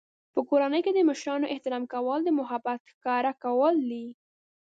په کورنۍ کې د مشرانو احترام کول د محبت ښکاره کول دي.